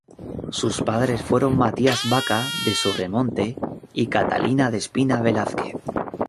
Sus padres fueron Matías Baca de Sobremonte y Catalina Despina Velázquez.